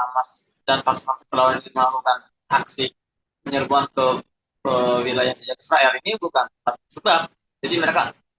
atau amas dan faksa faksa kelawanan yang melakukan aksi penyerbuan ke wilayah israel ini bukan sebab jadi mereka